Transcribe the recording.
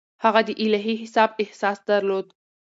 هغه د الهي حساب احساس درلود.